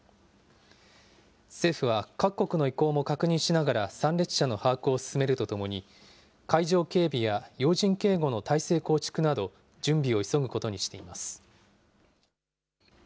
政府は各国の意向も確認しながら、参列者の把握を進めるとともに、会場警備や要人警護の態勢構築など、準備を急ぐことにしています。